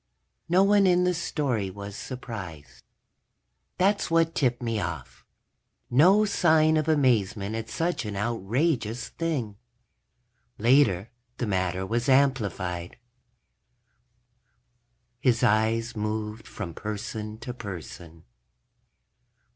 No one in the story was surprised. That's what tipped me off. No sign of amazement at such an outrageous thing. Later the matter was amplified. _... his eyes moved from person to person.